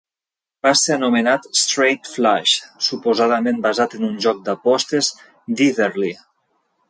Va ser anomenat "Straight Flush", suposadament basat en un joc d'apostes d'Eatherly.